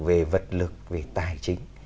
về vật lực về tài chính